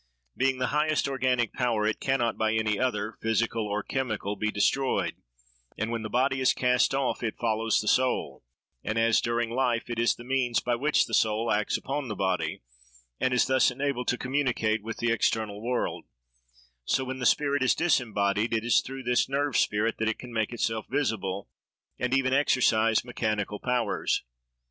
Being the highest organic power, it can not by any other, physical or chemical, be destroyed; and when the body is cast off, it follows the soul; and as, during life, it is the means by which the soul acts upon the body, and is thus enabled to communicate with the external world, so when the spirit is disembodied, it is through this nerve spirit that it can make itself visible, and even exercise mechanical powers.